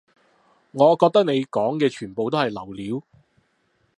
我覺得你講嘅全部都係流料